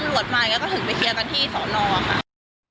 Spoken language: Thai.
จนตำรวจมาแล้วก็ถึงไปเคลียร์กันที่ศนค่ะ